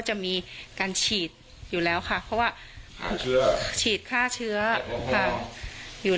จะมีการฉีดอยู่แล้วค่ะเพราะว่าฉีดฆ่าเชื้อค่ะอยู่